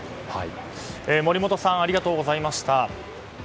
森元さんありがとうございました。